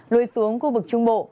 lùi xuống khu vực trung bộ